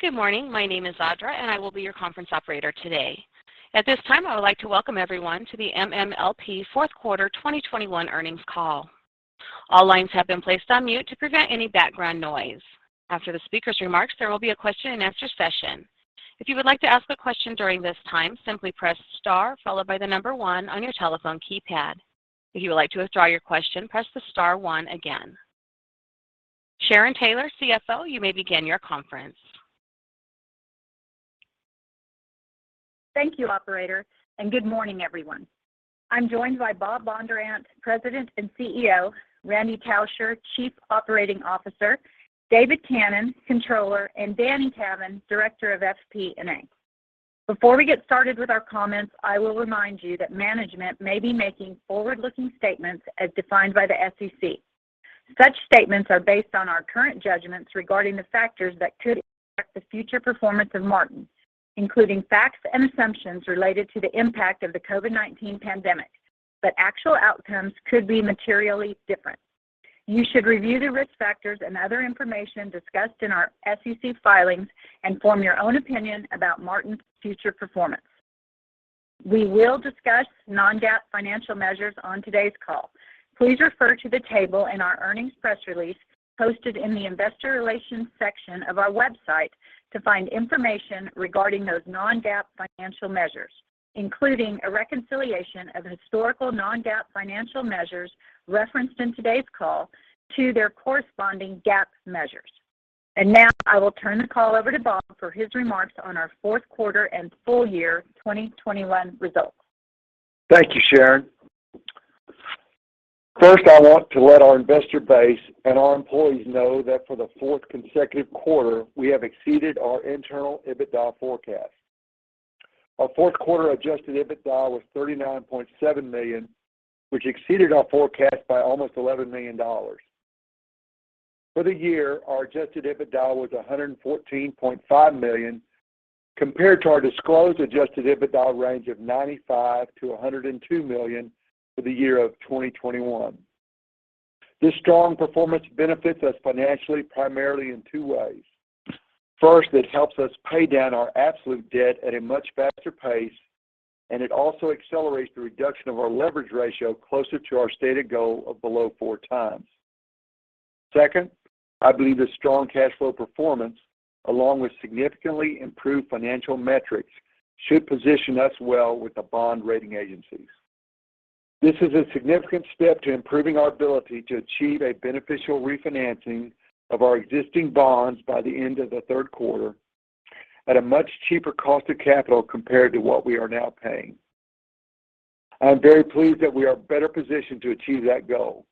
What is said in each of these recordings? Good morning. My name is Audra, and I will be your conference operator today. At this time, I would like to welcome everyone to the MMLP fourth quarter 2021 earnings call. All lines have been placed on mute to prevent any background noise. After the speaker's remarks, there will be a question and answer session. If you would like to ask a question during this time, simply press star followed by the number one on your telephone keypad. If you would like to withdraw your question, press the star one again. Sharon Taylor, CFO, you may begin your conference. Thank you, operator, and good morning, everyone. I'm joined by Bob Bondurant, President and CEO, Randy Tauscher, Chief Operating Officer, David Cannon, Controller, and Danny Cavin, Director of FP&A. Before we get started with our comments, I will remind you that management may be making forward-looking statements as defined by the SEC. Such statements are based on our current judgments regarding the factors that could affect the future performance of Martin, including facts and assumptions related to the impact of the COVID-19 pandemic, but actual outcomes could be materially different. You should review the risk factors and other information discussed in our SEC filings and form your own opinion about Martin's future performance. We will discuss non-GAAP financial measures on today's call. Please refer to the table in our earnings press release posted in the investor relations section of our website to find information regarding those non-GAAP financial measures, including a reconciliation of historical non-GAAP financial measures referenced in today's call to their corresponding GAAP measures. Now I will turn the call over to Bob for his remarks on our fourth quarter and full year 2021 results. Thank you, Sharon. First, I want to let our investor base and our employees know that for the fourth consecutive quarter, we have exceeded our internal EBITDA forecast. Our fourth quarter adjusted EBITDA was $39.7 million, which exceeded our forecast by almost $11 million. For the year, our adjusted EBITDA was $114.5 million compared to our disclosed adjusted EBITDA range of $95 million - $102 million for the year of 2021. This strong performance benefits us financially primarily in two ways. First, it helps us pay down our absolute debt at a much faster pace, and it also accelerates the reduction of our leverage ratio closer to our stated goal of below four times. Second, I believe the strong cash flow performance, along with significantly improved financial metrics, should position us well with the bond rating agencies. This is a significant step to improving our ability to achieve a beneficial refinancing of our existing bonds by the end of the third quarter at a much cheaper cost of capital compared to what we are now paying. I'm very pleased that we are better positioned to achieve that goal.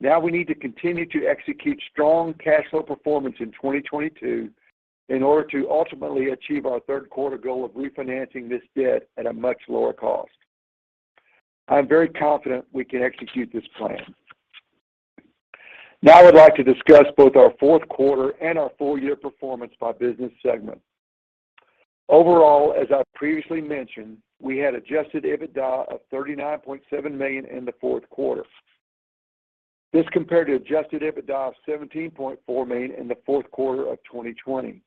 Now we need to continue to execute strong cash flow performance in 2022 in order to ultimately achieve our third quarter goal of refinancing this debt at a much lower cost. I'm very confident we can execute this plan. Now I'd like to discuss both our fourth quarter and our full year performance by business segment. Overall, as I previously mentioned, we had Adjusted EBITDA of $39.7 million in the fourth quarter. This compared to Adjusted EBITDA of $17.4 million in the fourth quarter of 2020.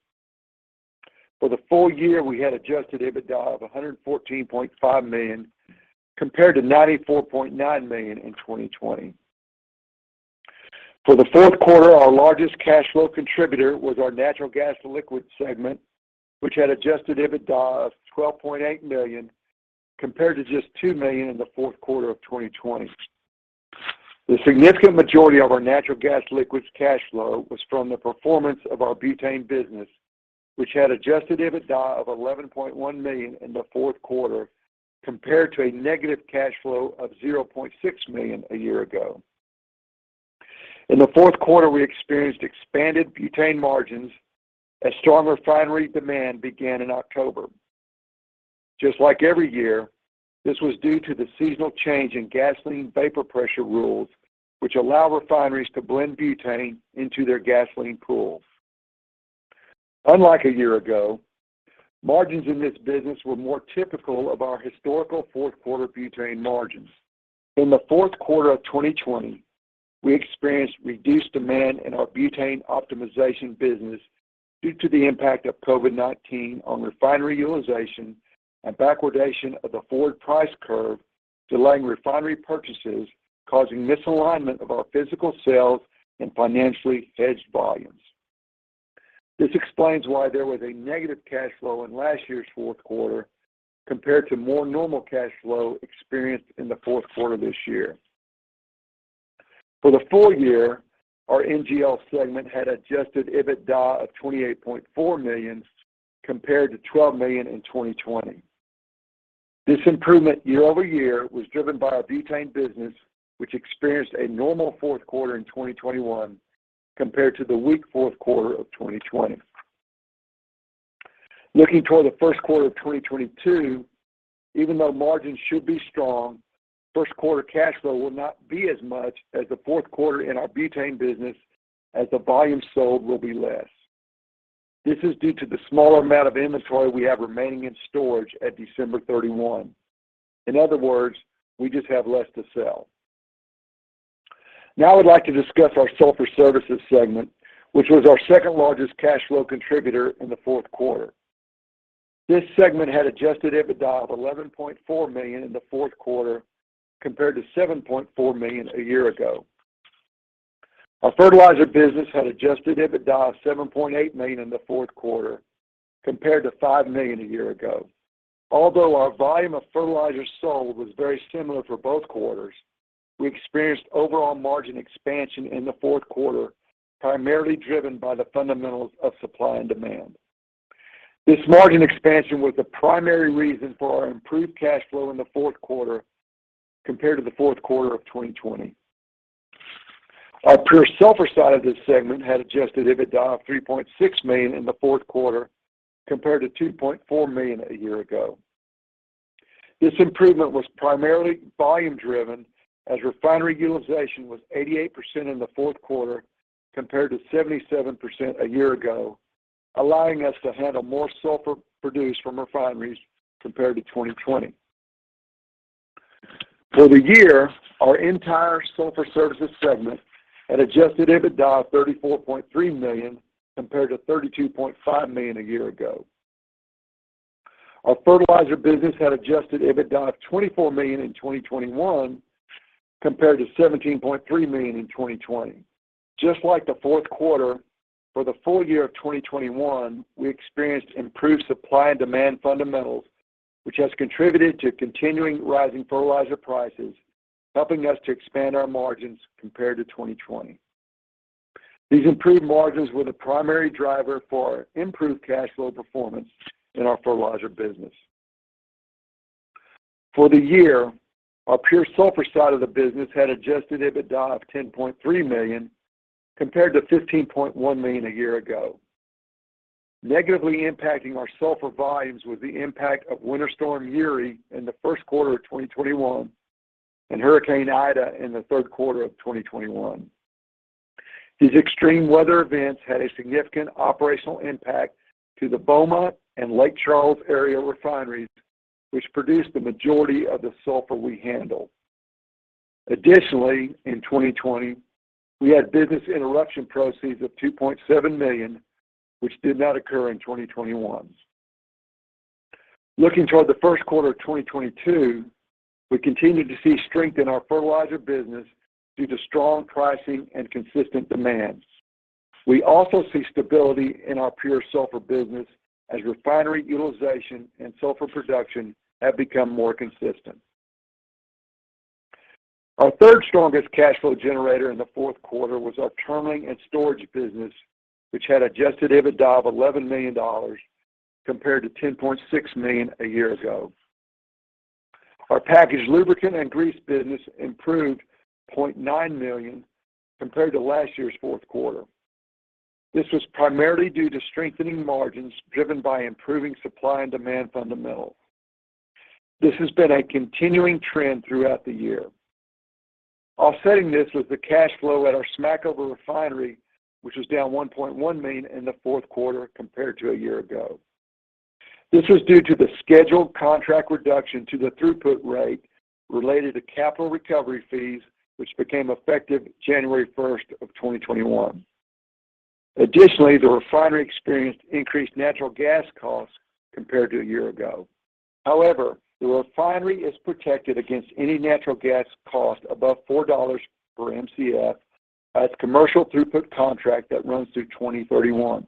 For the full year, we had Adjusted EBITDA of $114.5 million compared to $94.9 million in 2020. For the fourth quarter, our largest cash flow contributor was our Natural Gas Liquids segment, which had Adjusted EBITDA of $12.8 million compared to just $2 million in the fourth quarter of 2020. The significant majority of our Natural Gas Liquids cash flow was from the performance of our butane business, which had Adjusted EBITDA of $11.1 million in the fourth quarter compared to a negative cash flow of $0.6 million a year ago. In the fourth quarter, we experienced expanded butane margins as strong refinery demand began in October. Just like every year, this was due to the seasonal change in gasoline vapor pressure rules, which allow refineries to blend butane into their gasoline pools. Unlike a year ago, margins in this business were more typical of our historical fourth quarter butane margins. In the fourth quarter of 2020, we experienced reduced demand in our butane optimization business due to the impact of COVID-19 on refinery utilization and backwardation of the forward price curve, delaying refinery purchases, causing misalignment of our physical sales and financially hedged volumes. This explains why there was a negative cash flow in last year's fourth quarter compared to more normal cash flow experienced in the fourth quarter this year. For the full year, our NGL segment had Adjusted EBITDA of $28.4 million compared to $12 million in 2020. This improvement year-over-year was driven by our butane business, which experienced a normal fourth quarter in 2021 compared to the weak fourth quarter of 2020. Looking toward the first quarter of 2022, even though margins should be strong, first quarter cash flow will not be as much as the fourth quarter in our butane business as the volume sold will be less. This is due to the smaller amount of inventory we have remaining in storage at December 31. In other words, we just have less to sell. Now I'd like to discuss our sulfur services segment, which was our second-largest cash flow contributor in the fourth quarter. This segment had Adjusted EBITDA of $11.4 million in the fourth quarter compared to $7.4 million a year ago. Our fertilizer business had Adjusted EBITDA of $7.8 million in the fourth quarter compared to $5 million a year ago. Although our volume of fertilizer sold was very similar for both quarters, we experienced overall margin expansion in the fourth quarter, primarily driven by the fundamentals of supply and demand. This margin expansion was the primary reason for our improved cash flow in the fourth quarter compared to the fourth quarter of 2020. Our pure sulfur side of this segment had Adjusted EBITDA of $3.6 million in the fourth quarter compared to $2.4 million a year ago. This improvement was primarily volume driven as refinery utilization was 88% in the fourth quarter compared to 77% a year ago, allowing us to handle more sulfur produced from refineries compared to 2020. For the year, our entire Sulfur Services segment had Adjusted EBITDA of $34.3 million compared to $32.5 million a year ago. Our fertilizer business had Adjusted EBITDA of $24 million in 2021 compared to $17.3 million in 2020. Just like the fourth quarter, for the full year of 2021, we experienced improved supply and demand fundamentals, which has contributed to continuing rising fertilizer prices, helping us to expand our margins compared to 2020. These improved margins were the primary driver for our improved cash flow performance in our fertilizer business. For the year, our pure sulfur side of the business had Adjusted EBITDA of $10.3 million compared to $15.1 million a year ago. Negatively impacting our sulfur volumes was the impact of Winter Storm Uri in the first quarter of 2021 and Hurricane Ida in the third quarter of 2021. These extreme weather events had a significant operational impact to the Beaumont and Lake Charles area refineries, which produced the majority of the sulfur we handle. Additionally, in 2020, we had business interruption proceeds of $2.7 million, which did not occur in 2021. Looking toward the first quarter of 2022, we continue to see strength in our fertilizer business due to strong pricing and consistent demand. We also see stability in our pure sulfur business as refinery utilization and sulfur production have become more consistent. Our third strongest cash flow generator in the fourth quarter was our Terminalling and Storage business, which had Adjusted EBITDA of $11 million compared to $10.6 million a year ago. Our packaged lubricant and grease business improved $0.9 million compared to last year's fourth quarter. This was primarily due to strengthening margins driven by improving supply and demand fundamentals. This has been a continuing trend throughout the year. Offsetting this was the cash flow at our Smackover refinery, which was down $1.1 million in the fourth quarter compared to a year ago. This was due to the scheduled contract reduction to the throughput rate related to capital recovery fees which became effective January 1, 2021. Additionally, the refinery experienced increased natural gas costs compared to a year ago. However, the refinery is protected against any natural gas cost above $4 per Mcf per the commercial throughput contract that runs through 2031.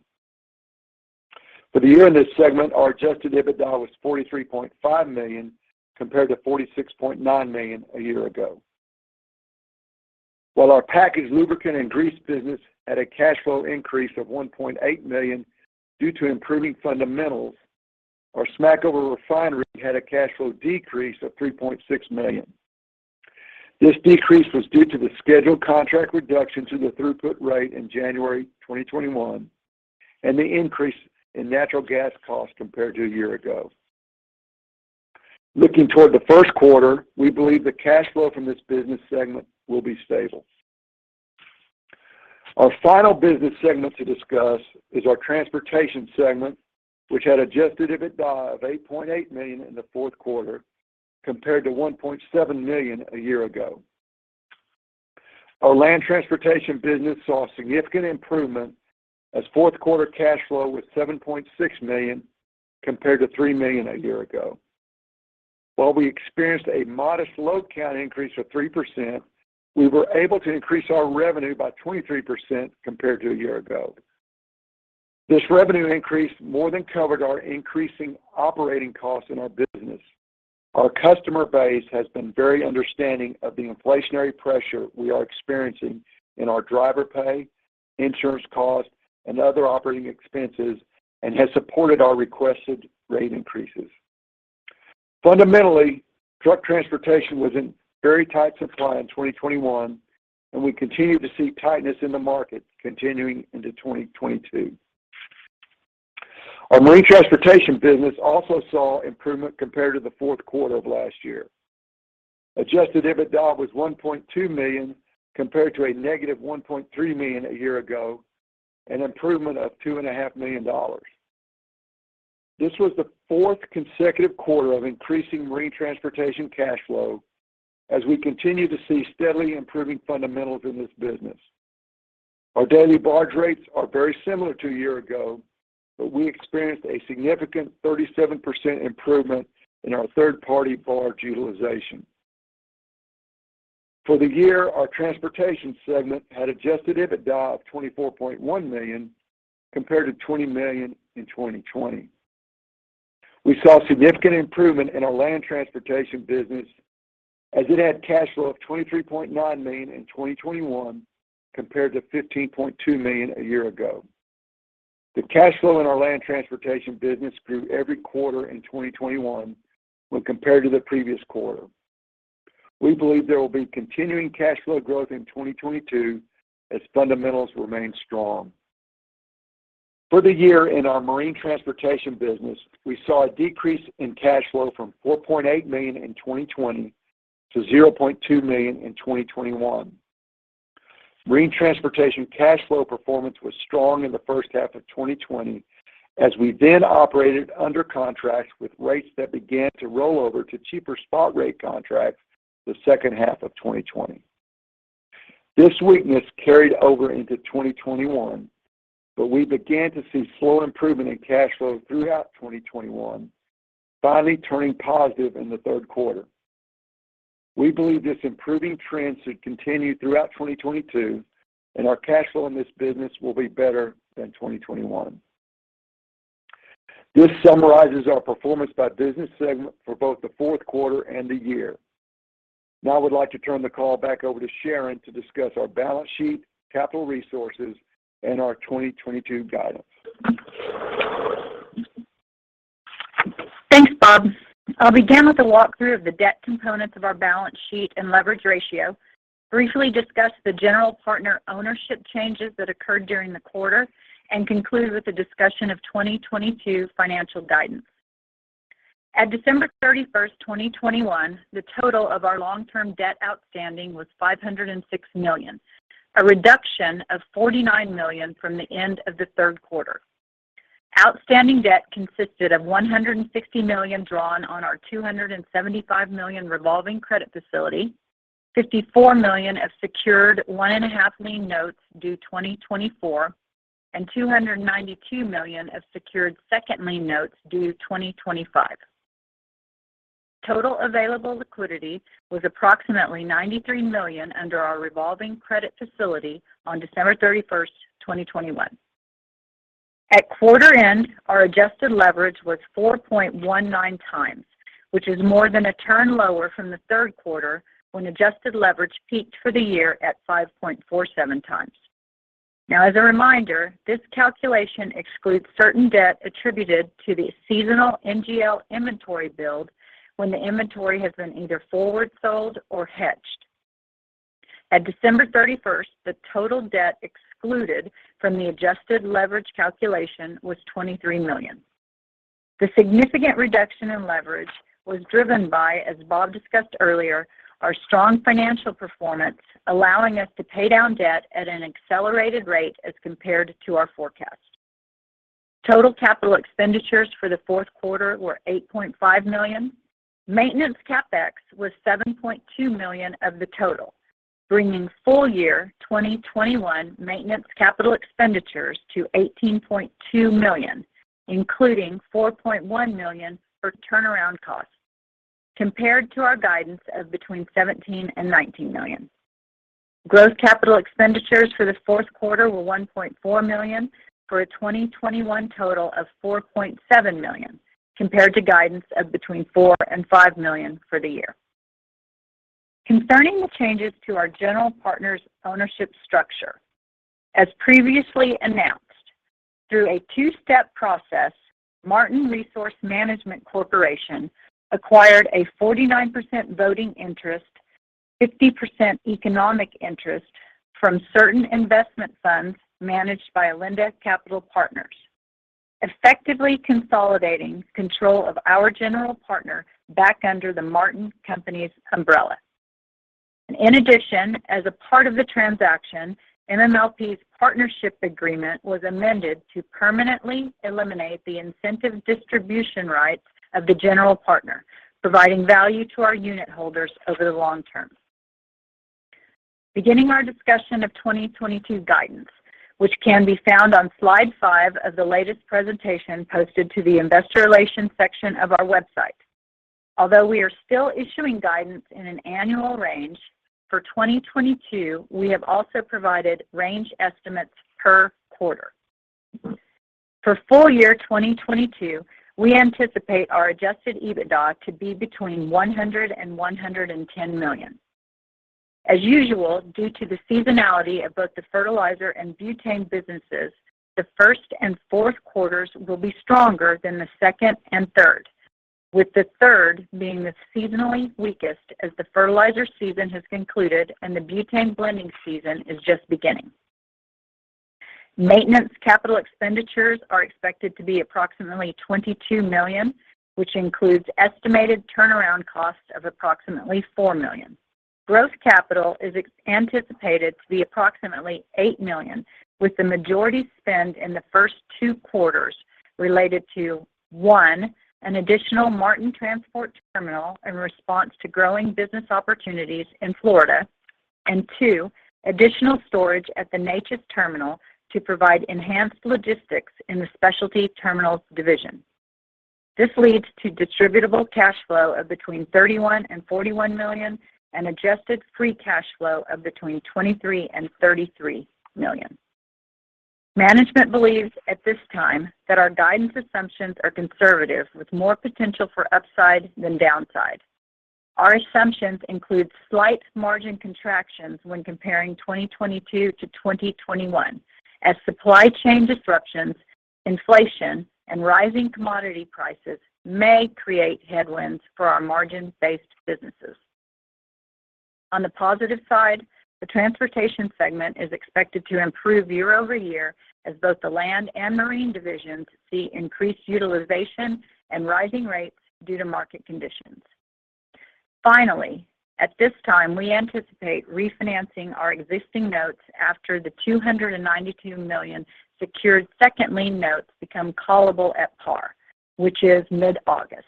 For the year in this segment, our Adjusted EBITDA was $43.5 million compared to $46.9 million a year ago. While our packaged lubricant and grease business had a cash flow increase of $1.8 million due to improving fundamentals, our Smackover refinery had a cash flow decrease of $3.6 million. This decrease was due to the scheduled contract reduction to the throughput rate in January 2021 and the increase in natural gas cost compared to a year ago. Looking toward the first quarter, we believe the cash flow from this business segment will be stable. Our final business segment to discuss is our transportation segment, which had adjusted EBITDA of $8.8 million in the fourth quarter compared to $1.7 million a year ago. Our land transportation business saw significant improvement as fourth quarter cash flow was $7.6 million compared to $3 million a year ago. While we experienced a modest load count increase of 3%, we were able to increase our revenue by 23% compared to a year ago. This revenue increase more than covered our increasing operating costs in our business. Our customer base has been very understanding of the inflationary pressure we are experiencing in our driver pay, insurance costs, and other operating expenses, and has supported our requested rate increases. Fundamentally, truck transportation was in very tight supply in 2021, and we continue to see tightness in the market continuing into 2022. Our marine transportation business also saw improvement compared to the fourth quarter of last year. Adjusted EBITDA was $1.2 million compared to a negative $1.3 million a year ago, an improvement of $2.5 million. This was the fourth consecutive quarter of increasing marine transportation cash flow as we continue to see steadily improving fundamentals in this business. Our daily barge rates are very similar to a year ago, but we experienced a significant 37% improvement in our third-party barge utilization. For the year, our transportation segment had Adjusted EBITDA of $24.1 million compared to $20 million in 2020. We saw significant improvement in our land transportation business as it had cash flow of $23.9 million in 2021 compared to $15.2 million a year ago. The cash flow in our land transportation business grew every quarter in 2021 when compared to the previous quarter. We believe there will be continuing cash flow growth in 2022 as fundamentals remain strong. For the year in our marine transportation business, we saw a decrease in cash flow from $4.8 million in 2020 - $0.2 million in 2021. Marine transportation cash flow performance was strong in the first half of 2020 as we then operated under contracts with rates that began to roll over to cheaper spot rate contracts the second half of 2020. This weakness carried over into 2021, but we began to see slow improvement in cash flow throughout 2021, finally turning positive in the third quarter. We believe this improving trend should continue throughout 2022 and our cash flow in this business will be better than 2021. This summarizes our performance by business segment for both the fourth quarter and the year. Now I would like to turn the call back over to Sharon to discuss our balance sheet, capital resources, and our 2022 guidance. Thanks, Bob. I'll begin with a walkthrough of the debt components of our balance sheet and leverage ratio, briefly discuss the general partner ownership changes that occurred during the quarter, and conclude with a discussion of 2022 financial guidance. At December 31st, 2021, the total of our long-term debt outstanding was $506 million, a reduction of $49 million from the end of the third quarter. Outstanding debt consisted of $160 million drawn on our $275 million revolving credit facility, $54 million of secured 1.5 lien notes due 2024, and $292 million of secured second lien notes due 2025. Total available liquidity was approximately $93 million under our revolving credit facility on December 31st, 2021. At quarter end, our adjusted leverage was 4.19 times, which is more than a turn lower from the third quarter when adjusted leverage peaked for the year at 5.47 times. Now as a reminder, this calculation excludes certain debt attributed to the seasonal NGL inventory build when the inventory has been either forward sold or hedged. At December 31st, the total debt excluded from the adjusted leverage calculation was $23 million. The significant reduction in leverage was driven by, as Bob discussed earlier, our strong financial performance allowing us to pay down debt at an accelerated rate as compared to our forecast. Total capital expenditures for the fourth quarter were $8.5 million. Maintenance CapEx was $7.2 million of the total, bringing full year 2021 maintenance capital expenditures to $18.2 million, including $4.1 million for turnaround costs, compared to our guidance of between $17 million and $19 million. Gross capital expenditures for the fourth quarter were $1.4 million, for a 2021 total of $4.7 million, compared to guidance of between $4 million and $5 million for the year. Concerning the changes to our general partner's ownership structure, as previously announced, through a two-step process, Martin Resource Management Corporation acquired a 49% voting interest, 50% economic interest from certain investment funds managed by Alinda Capital Partners, effectively consolidating control of our general partner back under the Martin company's umbrella. In addition, as a part of the transaction, MMLP's partnership agreement was amended to permanently eliminate the incentive distribution rights of the general partner, providing value to our unit holders over the long term. Beginning our discussion of 2022 guidance, which can be found on slide five of the latest presentation posted to the investor relations section of our website. Although we are still issuing guidance in an annual range, for 2022 we have also provided range estimates per quarter. For full year 2022, we anticipate our Adjusted EBITDA to be between $100 million - $110 million. As usual, due to the seasonality of both the fertilizer and butane businesses, the first and fourth quarters will be stronger than the second and third, with the third being the seasonally weakest as the fertilizer season has concluded and the butane blending season is just beginning. Maintenance capital expenditures are expected to be approximately $22 million, which includes estimated turnaround costs of approximately $4 million. Growth capital is anticipated to be approximately $8 million, with the majority spent in the first two quarters related to, one, an additional Martin Transport terminal in response to growing business opportunities in Florida. Two, additional storage at the Neches terminal to provide enhanced logistics in the specialty terminals division. This leads to distributable cash flow of between $31 million - $41 million, and adjusted free cash flow of between $23 million - $33 million. Management believes at this time that our guidance assumptions are conservative with more potential for upside than downside. Our assumptions include slight margin contractions when comparing 2022 - 2021 as supply chain disruptions, inflation, and rising commodity prices may create headwinds for our margin-based businesses. On the positive side, the transportation segment is expected to improve year-over-year as both the land and marine divisions see increased utilization and rising rates due to market conditions. Finally, at this time, we anticipate refinancing our existing notes after the $292 million secured second lien notes become callable at par, which is mid-August.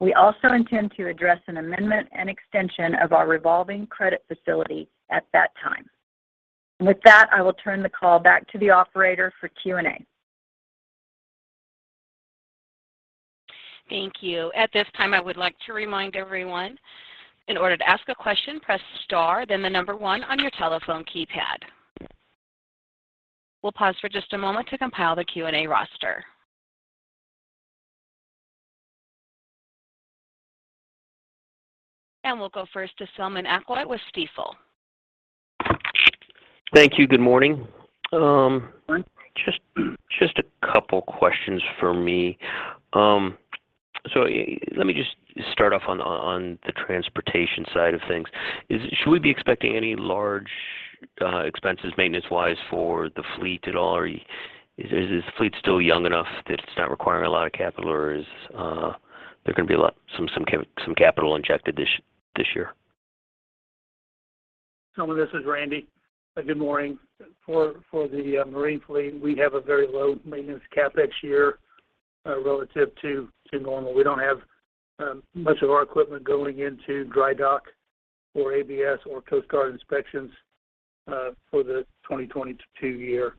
We also intend to address an amendment and extension of our revolving credit facility at that time. With that, I will turn the call back to the operator for Q&A. Thank you. At this time, I would like to remind everyone, in order to ask a question, press star then the number one on your telephone keypad. We'll pause for just a moment to compile the Q&A roster. We'll go first to Selman Akyol with Stifel. Thank you. Good morning. Just a couple questions for me. So let me just start off on the transportation side of things. Should we be expecting any large expenses maintenance-wise for the fleet at all? Or is this fleet still young enough that it's not requiring a lot of capital? Or is there gonna be some capital injected this year? Selman, this is Randy. Good morning. For the marine fleet, we have a very low maintenance CapEx year relative to normal. We don't have much of our equipment going into dry dock or ABS or Coast Guard inspections for the 2022 year.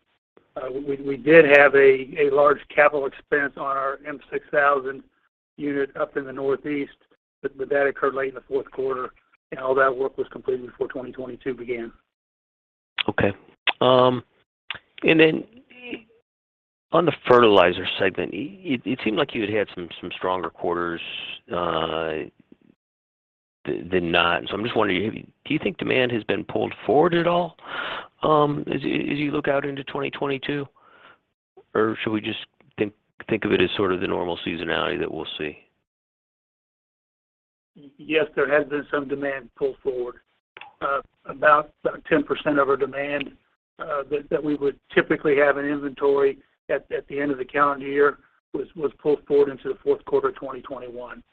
We did have a large capital expense on our M6000 unit up in the Northeast, but that occurred late in the fourth quarter, and all that work was completed before 2022 began. Okay. On the fertilizer segment, it seemed like you had some stronger quarters than not. I'm just wondering, do you think demand has been pulled forward at all, as you look out into 2022? Or should we just think of it as sort of the normal seasonality that we'll see? Yes, there has been some demand pulled forward. About 10% of our demand that we would typically have in inventory at the end of the calendar year was pulled forward into the fourth quarter of 2021.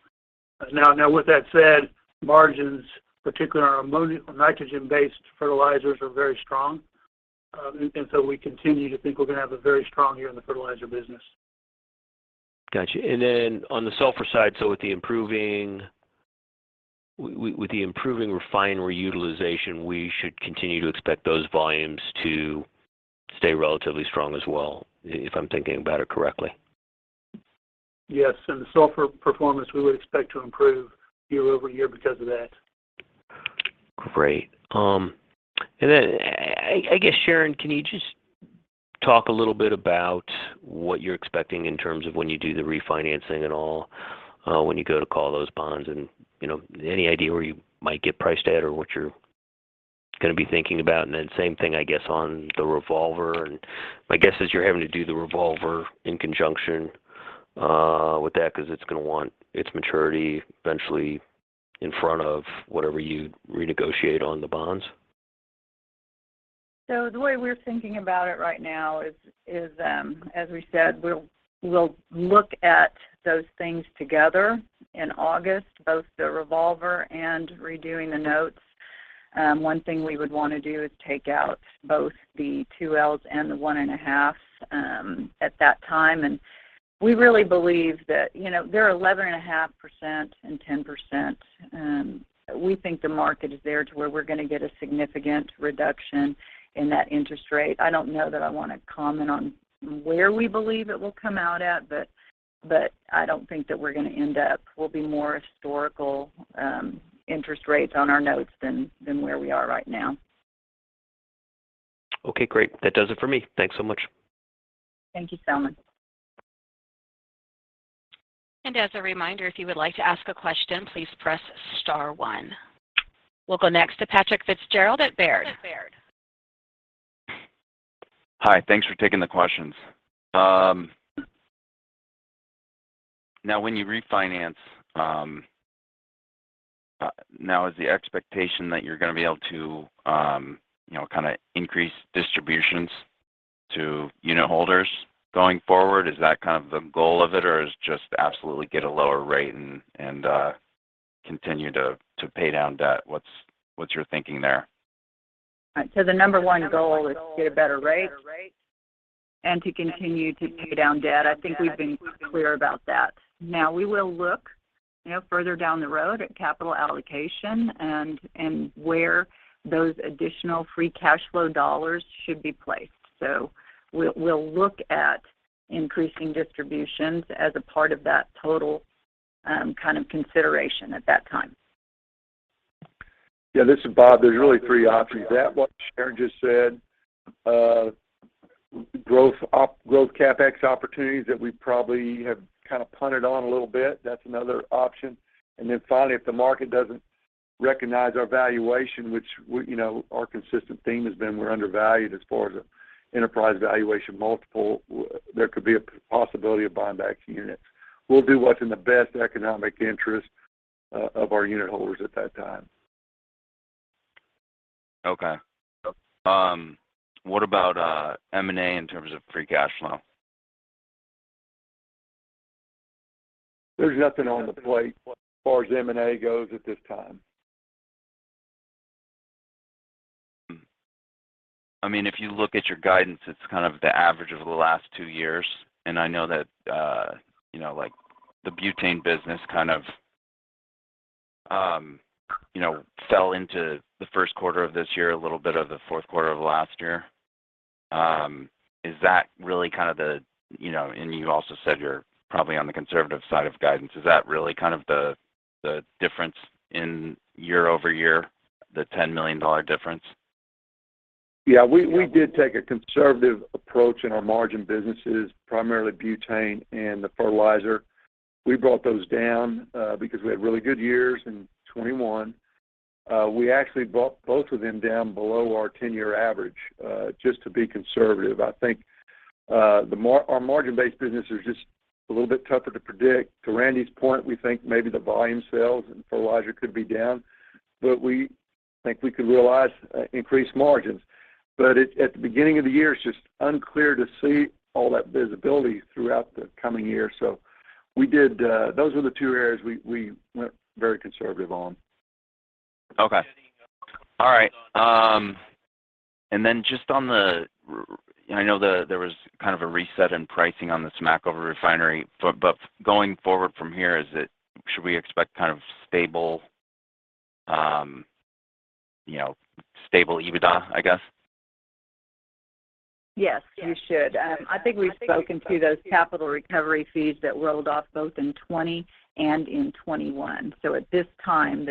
Now with that said, margins, particularly on ammonia or nitrogen-based fertilizers, are very strong. We continue to think we're gonna have a very strong year in the fertilizer business. Got you. On the sulfur side, with the improving refinery utilization, we should continue to expect those volumes to stay relatively strong as well, if I'm thinking about it correctly. Yes. The sulfur performance we would expect to improve year-over-year because of that. Great. I guess, Sharon, can you just talk a little bit about what you're expecting in terms of when you do the refinancing at all, when you go to call those bonds? You know, any idea where you might get priced at or what you're gonna be thinking about? Same thing, I guess, on the revolver. My guess is you're having to do the revolver in conjunction with that because it's gonna want its maturity eventually in front of whatever you renegotiate on the bonds. The way we're thinking about it right now is, as we said, we'll look at those things together in August, both the revolver and redoing the notes. One thing we would wanna do is take out both the 2Ls and the 1.5, at that time. We really believe that, you know, they're 11.5% - 10%, we think the market is there to where we're gonna get a significant reduction in that interest rate. I don't know that I wanna comment on where we believe it will come out at, but I don't think that we're gonna end up with more historical interest rates on our notes than where we are right now. Okay, great. That does it for me. Thanks so much. Thank you, Selman. As a reminder, if you would like to ask a question, please press star one. We'll go next to Patrick Fitzgerald at Baird. Hi. Thanks for taking the questions. Now when you refinance, is the expectation that you're gonna be able to, you know, kinda increase distributions to unitholders going forward? Is that kind of the goal of it, or is it just absolutely get a lower rate and continue to pay down debt? What's your thinking there? The number one goal is to get a better rate and to continue to pay down debt. I think we've been clear about that. Now, we will look, you know, further down the road at capital allocation and where those additional free cash flow dollars should be placed. We'll look at increasing distributions as a part of that total, kind of consideration at that time. Yeah, this is Bob. There's really three options. That's what Sharon just said, growth CapEx opportunities that we probably have kind of punted on a little bit. That's another option. Finally, if the market doesn't recognize our valuation, which you know, our consistent theme has been we're undervalued as far as the enterprise valuation multiple, there could be a possibility of buying back units. We'll do what's in the best economic interest of our unitholders at that time. Okay. What about M&A in terms of free cash flow? There's nothing on the plate as far as M&A goes at this time. I mean, if you look at your guidance, it's kind of the average of the last two years. I know that, you know, like the butane business kind of, you know, fell into the first quarter of this year, a little bit of the fourth quarter of last year. Is that really kind of the, you know, and you also said you're probably on the conservative side of guidance. Is that really kind of the difference in year-over-year, the $10 million difference? Yeah. We did take a conservative approach in our margin businesses, primarily butane and the fertilizer. We brought those down because we had really good years in 2021. We actually brought both of them down below our 10-year average just to be conservative. I think our margin-based business is just a little bit tougher to predict. To Randy's point, we think maybe the volume sales and fertilizer could be down, but we think we could realize increased margins. At the beginning of the year, it's just unclear to see all that visibility throughout the coming year. Those were the two areas we went very conservative on. Just on the, I know there was kind of a reset in pricing on the Smackover refinery, but going forward from here, should we expect kind of stable, you know, stable EBITDA, I guess? Yes, you should. I think we've spoken to those capital recovery fees that rolled off both in 2020 and in 2021. At this time,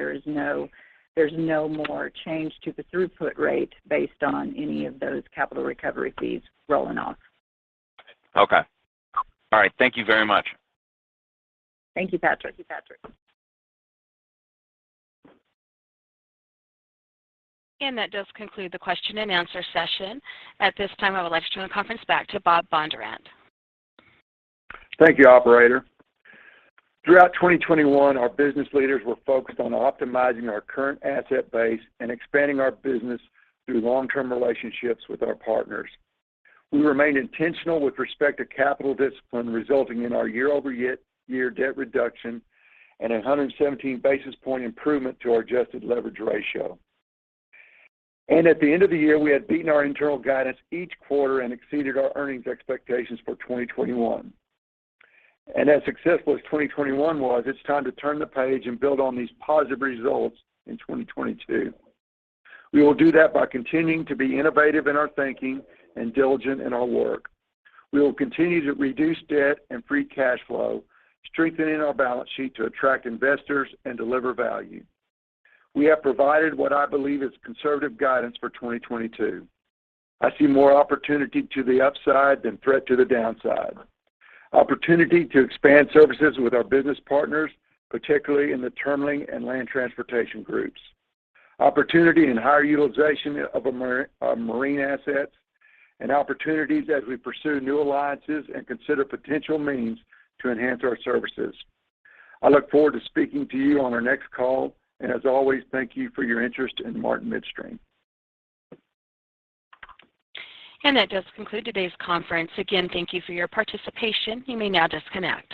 there's no more change to the throughput rate based on any of those capital recovery fees rolling off. Okay. All right. Thank you very much. Thank you, Patrick. That does conclude the question and answer session. At this time, I would like to turn the conference back to Bob Bondurant. Thank you, operator. Throughout 2021, our business leaders were focused on optimizing our current asset base and expanding our business through long-term relationships with our partners. We remain intentional with respect to capital discipline, resulting in our year-over-year debt reduction and 117 basis point improvement to our adjusted leverage ratio. At the end of the year, we had beaten our internal guidance each quarter and exceeded our earnings expectations for 2021. As successful as 2021 was, it's time to turn the page and build on these positive results in 2022. We will do that by continuing to be innovative in our thinking and diligent in our work. We will continue to reduce debt and free cash flow, strengthening our balance sheet to attract investors and deliver value. We have provided what I believe is conservative guidance for 2022. I see more opportunity to the upside than threat to the downside. Opportunity to expand services with our business partners, particularly in the terminalling and land transportation groups. Opportunity and higher utilization of marine assets, and opportunities as we pursue new alliances and consider potential means to enhance our services. I look forward to speaking to you on our next call, and as always, thank you for your interest in Martin Midstream. That does conclude today's conference. Again, thank you for your participation. You may now disconnect.